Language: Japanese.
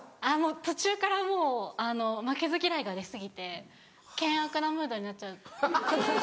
途中からもう負けず嫌いが出過ぎて険悪なムードになっちゃう。